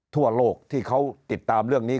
ทั่วโลกที่เขาติดตามเรื่องนี้